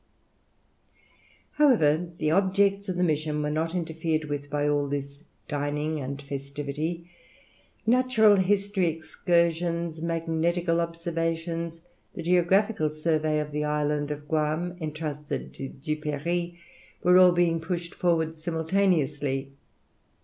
However, the objects of the mission were not interfered with by all this dining and festivity. Natural history excursions, magnetical observations, the geographical survey of the island of Guam, entrusted to Duperrey, were all being pushed forward simultaneously.